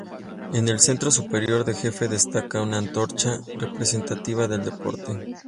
En el centro superior de jefe destaca una antorcha representativa del deporte.